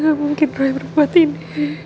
gak mungkin bro yang berbuat ini